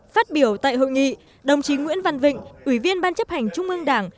phát biểu tại hội nghị đồng chí nguyễn văn vịnh ủy viên ban chấp hành trung ương đảng